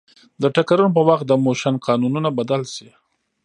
د ټکرونو په وخت د موشن قانونونه بدل شي.